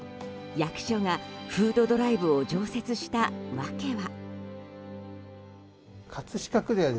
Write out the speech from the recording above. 役所がフードドライブを常設した訳は。